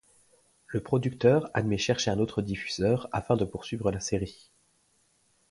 Le producteur admet chercher un autre diffuseur afin de poursuivre la série.